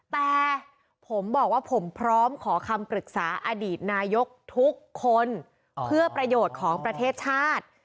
แต่ผมบอกว่าผมพร้อมขอคำปรึกษาอดีตนายกทุกคนเพื่อประโยชน์ของประเทศชาติ